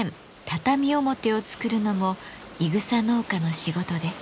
畳表を作るのもいぐさ農家の仕事です。